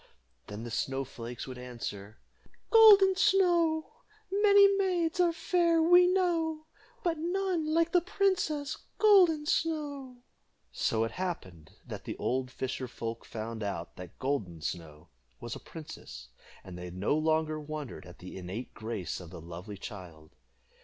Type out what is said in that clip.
Then the snow flakes would answer: "Golden Snow, Many maids are fair, We know, But none like the princess Golden Snow." So it happened that the old fisher folk found out that Golden Snow was a princess, and they no longer wondered at the innate grace of the lovely child.